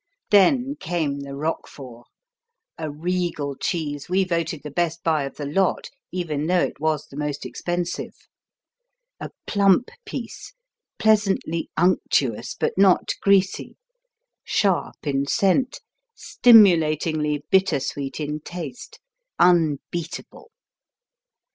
Then came the Roquefort, a regal cheese we voted the best buy of the lot, even though it was the most expensive. A plump piece, pleasantly unctuous but not greasy, sharp in scent, stimulatingly bittersweet in taste unbeatable.